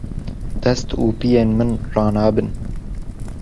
Dest û piyên min ranabin.